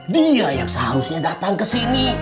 dia yang seharusnya datang kesini